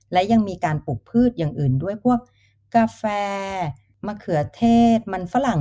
และยังมีการปลูกพืชอย่างอื่นด้วยพวกกาแฟมะเขือเทศมันฝรั่ง